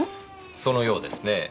そのようですねえ。